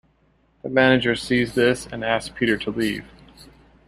The Manager sees this and asks Peter to leave.